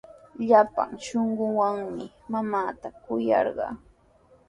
Llapan shunquuwanmi mamaata kuyarqaa.